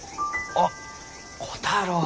あっ虎太郎。